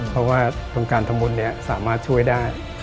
เพราะว่าทางการทำบุญนี้สามารถช่วยได้